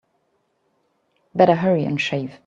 Better hurry and shave.